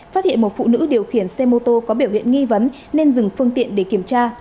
phát hiện một phụ nữ điều khiển xe mô tô có biểu hiện nghi vấn nên dừng phương tiện để kiểm tra